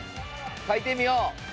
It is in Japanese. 書いてみよう。